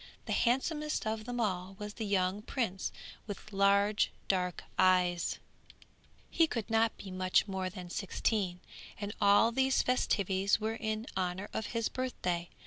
The handsomest of them all was the young prince with large dark eyes; he could not be much more than sixteen, and all these festivities were in honour of his birthday.